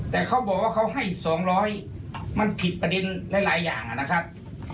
แต่เขาบอกว่าเขาให้๒๐๐มันผิดประเด็นหลายอย่างนะครับ